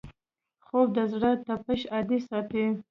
خوب د زړه تپش عادي ساتي